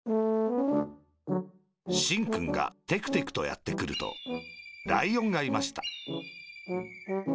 しんくんがテクテクとやってくるとライオンがいました